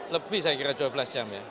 lebih saya kira dua belas jam ya